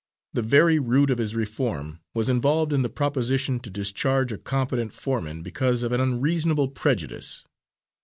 The very root of his reform was involved in the proposition to discharge a competent foreman because of an unreasonable prejudice.